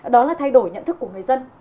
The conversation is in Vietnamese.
đó là thay đổi nhận thức của người dân